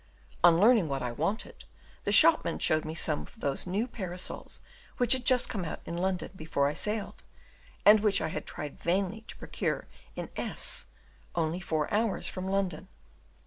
On learning what I wanted, the shopman showed me some of those new parasols which had just come out in London before I sailed, and which I had vainly tried to procure in S , only four hours from London.